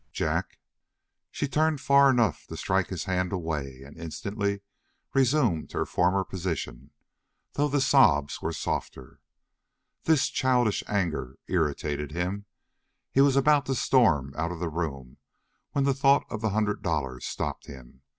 "Jack!" She turned far enough to strike his hand away and instantly resumed her former position, though the sobs were softer. This childish anger irritated him. He was about to storm out of the room when the thought of the hundred dollars stopped him.